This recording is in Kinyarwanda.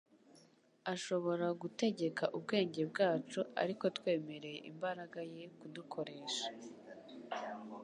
Ashobora gutegeka ubwenge bwacu ari uko twemereye imbaraga ye kudukoresha.